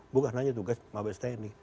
bukan hanya tugas mabes tni